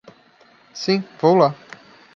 Sim, vou lá.